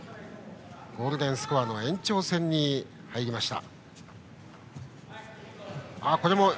ゴールデンスコアの延長戦に入りました。